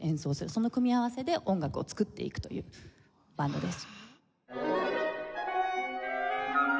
その組み合わせで音楽を作っていくというバンドです。